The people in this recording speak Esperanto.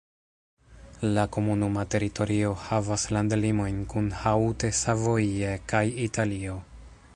La komunuma teritorio havas landlimojn kun Haute-Savoie kaj Italio.